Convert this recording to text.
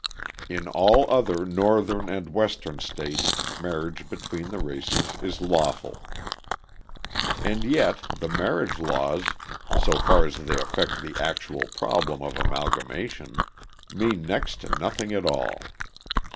In all other Northern and Western states marriage between the races is lawful. And yet, the marriage laws, so far as they affect the actual problem of amalgamation, mean next to nothing at all.